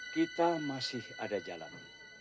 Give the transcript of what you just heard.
kita masih ada jalan